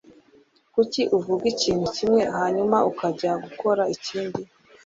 Kuki uvuga ikintu kimwe hanyuma ukajya gukora ikindi?